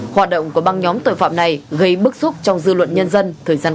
hoạt động của băng nhóm tội phạm này gây bức xúc trong dư luận nhân dân